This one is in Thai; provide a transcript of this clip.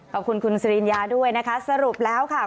ขอบคุณคุณสิริญญาด้วยนะคะสรุปแล้วค่ะ